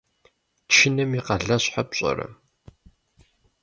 Чыным и къалащхьэр пщӏэрэ?